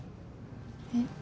えっ？